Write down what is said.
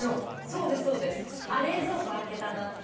そうですそうです「冷蔵庫開けたな」とか。